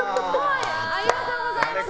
ありがとうございます。